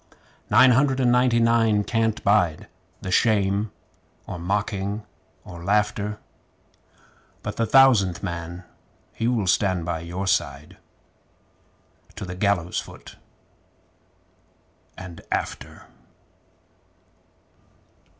Nine hundred and ninety nine can't bide The shame or mocking or laughter, But the Thousandth Man will stand by your side To the gallows foot and after!